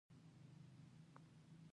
انیلا هم وورېده او لړزې واخیسته